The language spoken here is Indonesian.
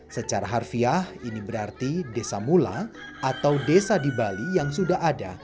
secara harfiah ini berarti desa mula atau desa di bali yang sudah ada